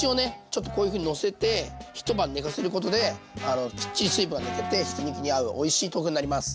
ちょっとこういうふうにのせて一晩寝かせることできっちり水分が抜けてひき肉に合うおいしい豆腐になります。